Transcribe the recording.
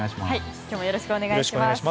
よろしくお願いします。